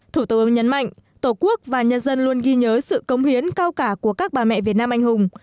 thủ tướng nhấn mạnh tổ quốc và nhân dân luôn ghi nhớ sự công hiến cao cả của các bà mẹ việt nam anh hùng